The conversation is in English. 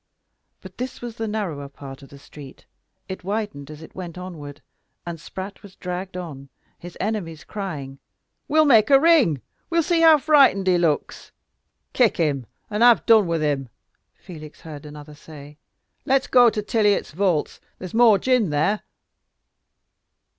But this was the narrower part of the street; it widened as it went onward, and Spratt was dragged on, his enemies crying, "We'll make a ring we'll see how frightened he looks!" "Kick him, and have done with him," Felix heard another say. "Let's go to Tiliot's vaults there's more gin there!"